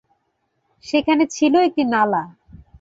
সেখানে ছিল একটি নালা।